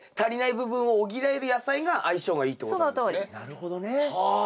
なるほどね。